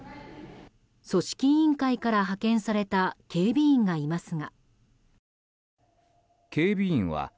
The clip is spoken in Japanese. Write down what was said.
組織委員会から派遣された警備員がいますが。